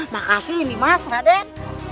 makasih nih mas raden